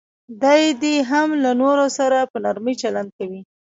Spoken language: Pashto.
دی دې هم له نورو سره په نرمي چلند کوي.